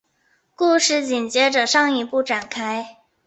故事紧接着上一部展开。